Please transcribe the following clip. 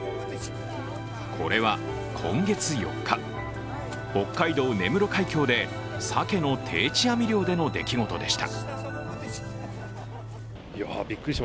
これは今月４日、北海道・根室海峡でさけの定置網漁での出来事でした。